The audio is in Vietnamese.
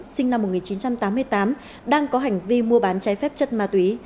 sinh năm một nghìn chín trăm tám mươi tám đang có hành vi mua bán trái phép chất ma túy